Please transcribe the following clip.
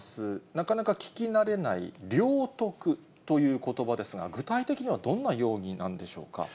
なかなか聞き慣れない領得ということばですが、具体的にはどんな容疑なんでしょうか。